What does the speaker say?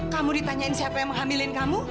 kamu ditanyain siapa yang menghamilin kamu